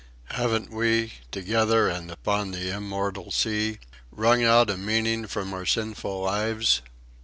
Haven't we, together and upon the immortal sea, wrung out a meaning from our sinful lives?